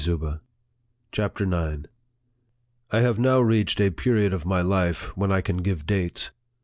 51 CHAPTER IX. 1 HAVE now reached a period of my life when I can give dates.